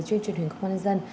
trên truyền hình công an dân